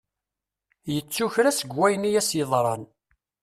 Yettu kra seg wayen i as-iḍran.